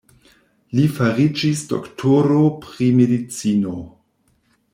Li fariĝis doktoro pri medicino.